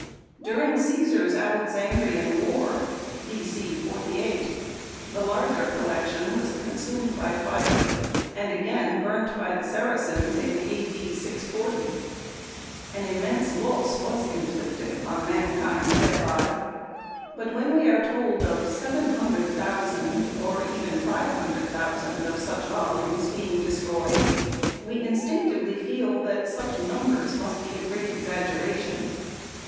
During Caesar's Alexandrian War, B.C. 48, the larger collection was consumed by fire and again burnt by the Saracens in A.D. 640. An immense loss was inflicted upon mankind thereby; but when we are told of 700,000, or even 500,000 of such volumes being destroyed we instinctively feel that such numbers must be a great exaggeration.